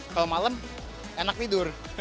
kalau malam enak tidur